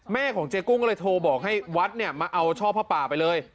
ของเจ๊กุ้งก็เลยโทรบอกให้วัดเนี่ยมาเอาช่อผ้าป่าไปเลย